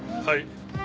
はい。